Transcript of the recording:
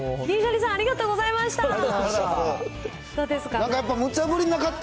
銀シャリさん、ありがとうございました。